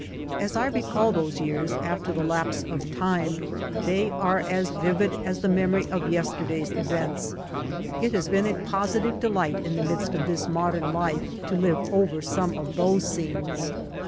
As I recall those years after the lapse of time, they are as vivid as the memory lof yesterday's events. It has been a positive delight in the midst of this modern life, to live over some of those scenes.